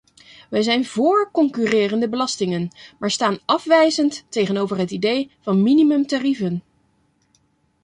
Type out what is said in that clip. Wij zijn voor concurrerende belastingen, maar staan afwijzend tegenover het idee van minimumtarieven.